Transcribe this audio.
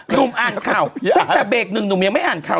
หนุ่มอ่านข่าวตั้งแต่เบรกหนึ่งหนุ่มยังไม่อ่านข่าว